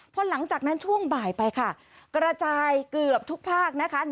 พอหลังจากนั้นช่วงบ่ายไปค่ะกระจายเกือบทุกภาคนะคะ